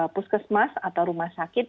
puskesmas atau rumah sakit